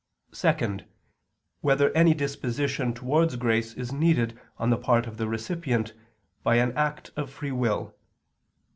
(2) Whether any disposition towards grace is needed on the part of the recipient, by an act of free will?